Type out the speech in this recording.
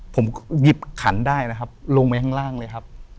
ผมหยิบขันได้นะครับลงไปข้างล่างเลยครับ